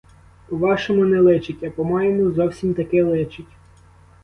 По-вашому — не личить, а по-моєму — зовсім таки личить.